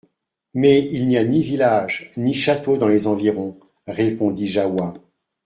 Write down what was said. Mais il n'y a ni village ni château dans les environs ! répondit Jahoua.